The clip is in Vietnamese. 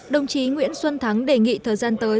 đồng chí nguyễn xuân thắng đề nghị thời gian tới